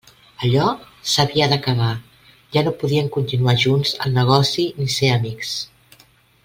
«Allò» s'havia d'acabar: ja no podien continuar junts el negoci ni ser amics.